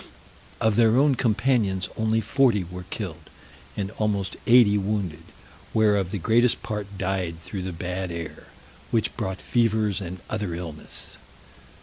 Of their own companions only forty were killed, and almost eighty wounded, whereof the greatest part died through the bad air, which brought fevers and other illness.